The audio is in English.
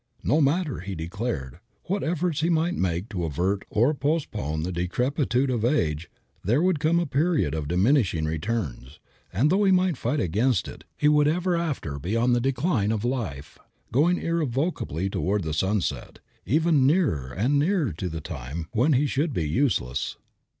No matter, he declared, what efforts he might make to avert or postpone the decrepitude of age there would come a period of diminishing returns, and though he might fight against it he would ever after be on the decline of life, going irrevocably toward the sunset, ever nearer and nearer to the time when he should be useless.